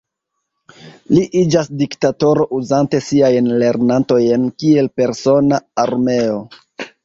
Li iĝas diktatoro uzante siajn lernantojn kiel persona armeo.